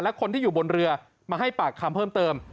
และคนที่อยู่บนเรือมาให้ปากคำเพิ่มเติม